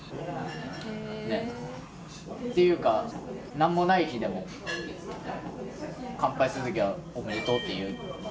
何もない日でも乾杯するときはおめでとうって言う。